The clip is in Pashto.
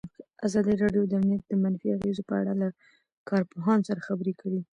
ازادي راډیو د امنیت د منفي اغېزو په اړه له کارپوهانو سره خبرې کړي.